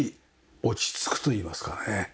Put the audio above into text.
落ち着くといいますかね。